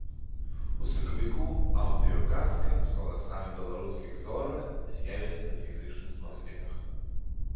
У сакавіку аўдыё-казка з галасамі беларускіх зорак з'явіцца на фізічных носьбітах.